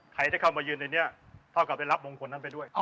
ใครที่เข้ามายืนในนี้เท่ากับได้รับมงคลนั้นไปด้วย